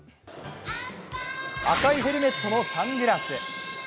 赤いヘルメットのサングラス。